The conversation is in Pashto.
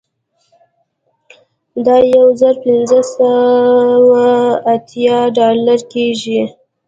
دا یو زر پنځه سوه اوه اتیا ډالره کیږي